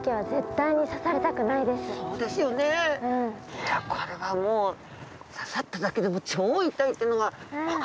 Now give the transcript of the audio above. いやこれはもう刺さっただけでも超痛いっていうのが分かりますね。